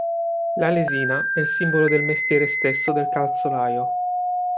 La lesina è il simbolo del mestiere stesso del calzolaio.